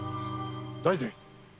大膳。